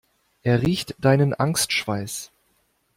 Er riecht deinen Angstschweiß.